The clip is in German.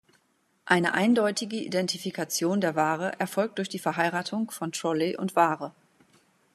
Eine eindeutige Identifikation der Ware erfolgt durch die Verheiratung von Trolley und Ware.